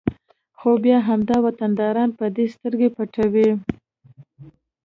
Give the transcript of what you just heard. خو بیا همدا وطنداران په دې سترګې پټوي